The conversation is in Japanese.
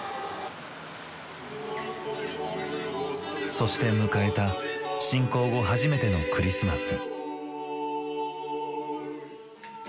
そして迎えた侵攻後初めてのクリスマス。